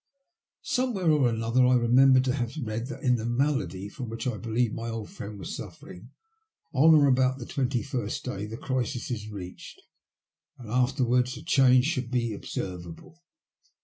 Somewhere or another I remembered to have read that, in the malady from which I believed my old friend was suffering, on or about the twenty first day the crisis is reached, and afterwards a change should be observable.